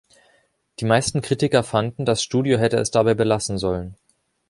Die meisten Kritiker fanden, das Studio hätte es dabei belassen sollen.